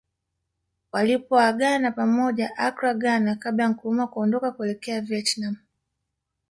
Walipoagana pamoja Accra Ghana kabla ya Nkrumah kuondoka kuelekea Vietnam